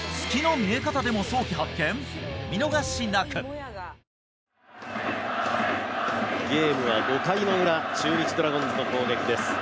「ディアナチュラ」ゲームは５回のウラ、中日ドラゴンズの攻撃です。